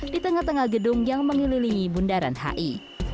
di tengah tengah gedung yang mengelilingi bundaran hi